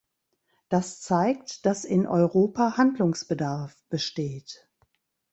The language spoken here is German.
Das zeigt, dass in Europa Handlungsbedarf besteht.